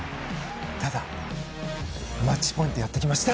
ただマッチポイントやってきました。